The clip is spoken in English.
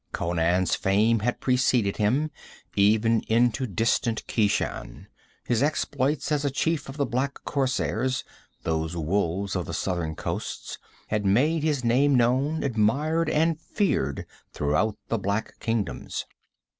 Conan's fame had preceded him, even into distant Keshan; his exploits as a chief of the black corsairs, those wolves of the southern coasts, had made his name known, admired and feared throughout the black kingdoms.